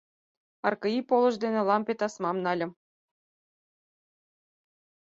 РКИ полыш дене лампе тасмам нальым.